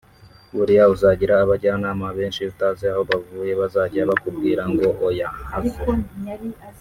buriya uzagira abajyanama benshi utazi aho bavuye bazajya bakubwira ngo ’oya have